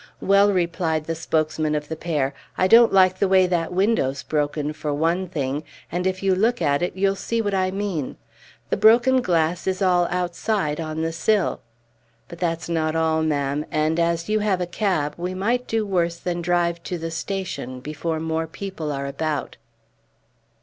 "Well," replied the spokesman of the pair, "I don't like the way that window's broken, for one thing, and if you look at it you'll see what I mean. The broken glass is all outside on the sill. But that's not all, ma'am; and, as you have a cab, we might do worse than drive to the station before more people are about."